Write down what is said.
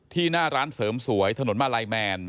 หน้าร้านเสริมสวยถนนมาลัยแมน